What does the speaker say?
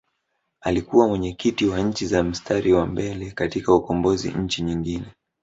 Alikuwa mwenyekiti wa Nchi za Mstari wa Mbele katika ukombozi Nchi nyingine